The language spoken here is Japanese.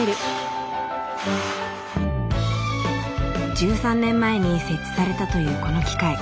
１３年前に設置されたというこの機械。